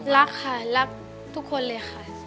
รักค่ะรักทุกคนเลยค่ะ